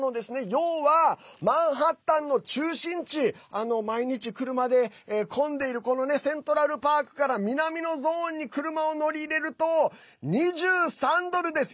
要はマンハッタンの中心地毎日車で混んでいるこのセントラルパークから南のゾーンに車を乗り入れると２３ドルです。